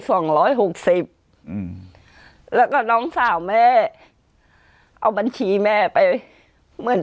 สองร้อยหกสิบอืมแล้วก็น้องสาวแม่เอาบัญชีแม่ไปเหมือน